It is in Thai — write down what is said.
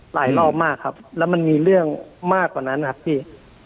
รอบมากครับแล้วมันมีเรื่องมากกว่านั้นครับพี่